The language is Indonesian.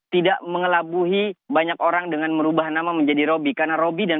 tidak mengelabuhi banyak orang dengan merubah nama menjadi rudy